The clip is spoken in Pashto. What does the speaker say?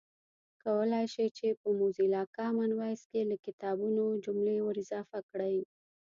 کولای شئ چې په موزیلا کامن وایس کې له کتابونو جملې ور اضافه کړئ